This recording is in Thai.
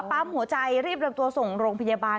ปั๊มหัวใจรีบนำตัวส่งโรงพยาบาล